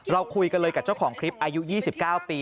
เราคุยกันเลยกับเจ้าของคลิปอายุ๒๙ปี